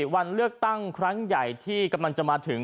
วันเลือกตั้งครั้งใหญ่ที่กำลังจะมาถึง